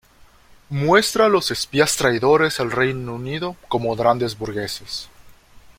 Muestra a los espías traidores al Reino Unido como grandes burgueses.